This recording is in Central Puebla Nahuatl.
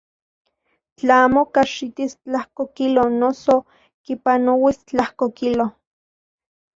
Tla amo kajxitis tlajko kilo noso kipanauis tlajko kilo.